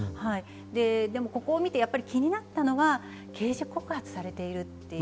ここを見て気になったのは刑事告発されているという。